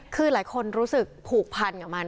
คือหลายคนรู้สึกผูกพันกับมัน